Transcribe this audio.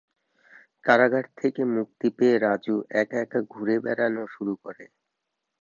কারাগার থেকে মুক্তি পেয়ে রাজু একা একা ঘুরে বেড়ানো শুরু করে।